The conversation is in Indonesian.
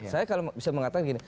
saya kalau bisa mengatakan gini